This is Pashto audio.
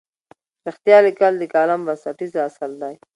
رښتیا لیکل د کالم بنسټیز اصل دی.